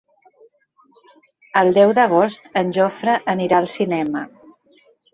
El deu d'agost en Jofre anirà al cinema.